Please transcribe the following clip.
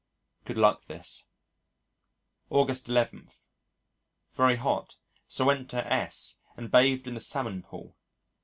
Good luck this. August 11. Very hot, so went to S , and bathed in the salmon pool.